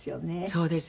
そうですね。